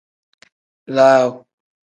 Laaw.